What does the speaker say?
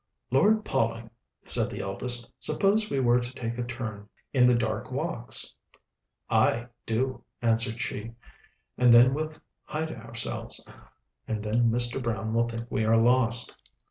"Lord, Polly," said the eldest, "suppose we were to take a turn in the dark walks?" "Ay, do," answered she; "and then we'll hide ourselves, and then Mr. Brown will think we are lost."